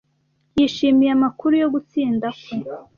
Yishimiye amakuru yo gutsinda kwe.